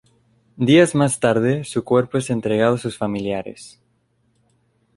Días más tarde, su cuerpo es entregado a sus familiares.